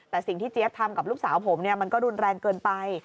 แต่สิ่งที่เจี๊ยบทำกับลูกสาวผมมันก็รุนแรงเกินไป